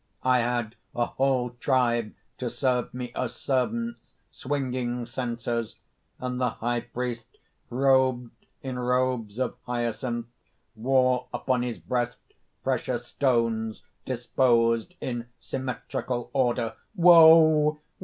I had a whole tribe to serve me as servants, swinging censers; and the high priest, robed in robes of hyacinth, wore upon his breast precious stones disposed in symmetrical order. "Woe!